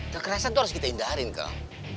kekerasan tuh harus kita hindarin kal